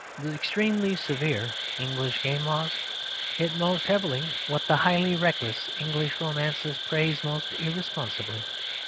The extremely severe English game laws hit most heavily what the highly reckless English romances praise most irresponsibly.